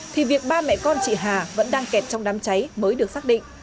thì việc ba mẹ con chị hà vẫn đang kẹt trong đám cháy mới được xác định